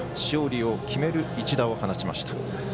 勝利を決める一打を放ちました。